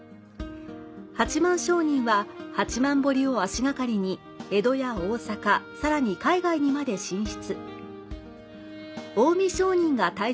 八幡商人は、八幡堀を足がかりに江戸や大阪さらに海外にまで進出。